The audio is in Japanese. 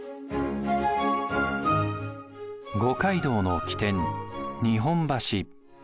五街道の起点日本橋。